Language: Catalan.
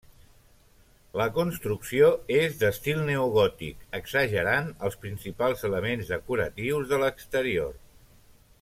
La construcció és d'estil neogòtic, exagerant els principals elements decoratius de l'exterior.